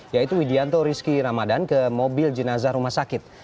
yaitu widianto rizki ramadhan ke mobil jenazah rumah sakit